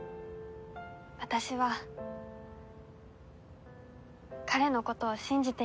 私は彼のことを信じています。